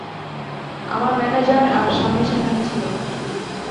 আমার ম্যানেজার আর স্বামী সেখানে ছিল।